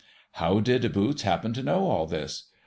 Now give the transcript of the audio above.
How did Loots happen to know all this